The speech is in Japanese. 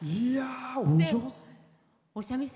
お上手。